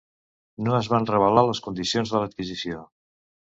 No es van revelar les condicions de l'adquisició.